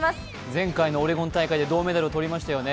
前回のオレゴン大会で銅メダルを取りましたよね。